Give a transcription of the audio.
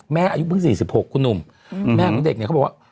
อายุเพิ่ง๔๖คุณหนุ่มแม่ของเด็กเนี่ยเขาบอกว่า